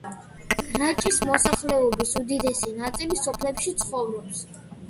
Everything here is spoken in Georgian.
რაჭის მოსახლეობის უდიდესი ნაწილი სოფლებში ცხოვრობს.